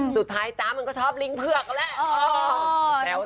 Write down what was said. สุดท้ายจ๊ะมันก็ชอบลิงเผือกกันแหละ